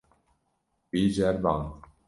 Wî ceriband.